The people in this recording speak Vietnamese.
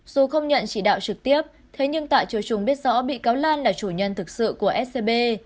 dù không nhận chỉ đạo trực tiếp thế nhưng tạ triều trung biết rõ bị cáo lan là chủ nhân thực sự của scb